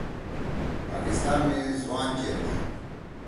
پاکستان می زُوان چیر تھی۔